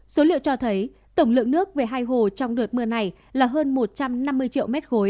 số liệu cho thấy tổng lượng nước về hai hồ trong đợt mưa này là hơn một trăm năm mươi triệu m ba